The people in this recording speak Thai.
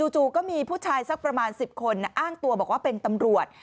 จู่ก็มีผู้ชายสักประมาณ๑๐คนอ้างตัวบอกว่าเป็นตำรวจ